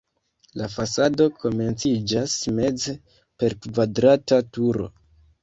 La fasado komenciĝas meze per kvadrata turo.